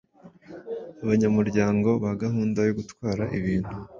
abanyamuryango ba gahunda yo gutwara ibintu